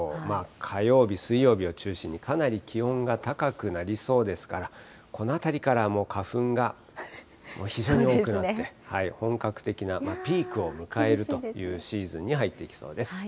火曜日、水曜日を中心にかなり気温が高くなりそうですから、このあたりからもう花粉が非常に多くなって、本格的なピークを迎えるというシーズンに入っていきそうです。